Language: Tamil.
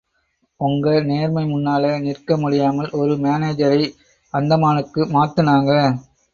ஒங்க நேர்மை முன்னால நிற்க முடியாமல் ஒரு மானேஜரை... அந்தமானுக்கு மாத்துனாங்க.